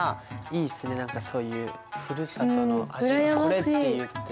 いいっすね何かそういうふるさとの味はこれって言えて。